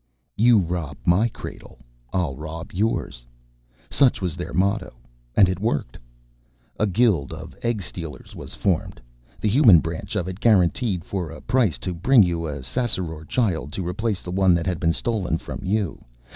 You rob my cradle; I'll rob yours. Such was their motto, and it worked. A Guild of Egg Stealers was formed. The Human branch of it guaranteed, for a price, to bring you a Ssassaror child to replace the one that had been stolen from you.